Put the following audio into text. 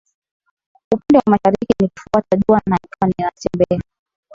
upande wa mashariki nikifuata jua na nikawa ninatembea